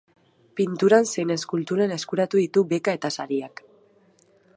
Pinturan zein eskulturan eskuratu ditu beka eta sariak.